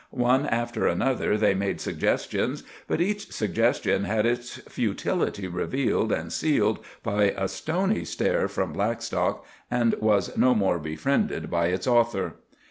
One after another they made suggestions, but each suggestion had its futility revealed and sealed by a stony stare from Blackstock, and was no more befriended by its author.